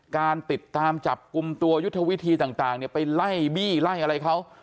การติดตามจับกลุ่มตัวยุทธวิธีต่างไปไล่บี้ไล่อะไรเขา